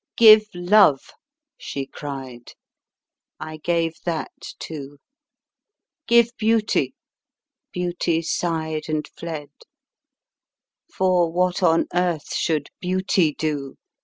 " Give love," she cried. I gave that too. " Give beauty." Beauty sighed and fled ; For what on earth should beauty do.